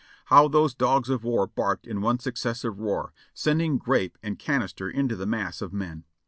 How those dogs of war barked in one successive roar, sending grape and canister into the mass of men.